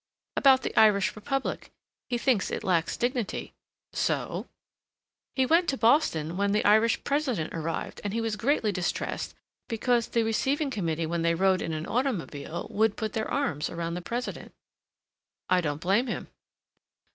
"About the Irish Republic. He thinks it lacks dignity." "So?" "He went to Boston when the Irish President arrived and he was greatly distressed because the receiving committee, when they rode in an automobile, would put their arms around the President." "I don't blame him."